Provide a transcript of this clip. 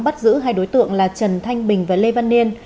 bắt giữ hai đối tượng là trần thanh bình và lê văn niên